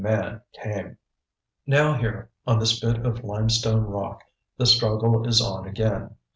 Man came. Now here, on this bit of limestone rock, the struggle is on again.